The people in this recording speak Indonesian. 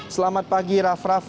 selamat pagi raff raff